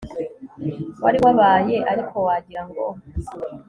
wari wabaye ariko wagira ngo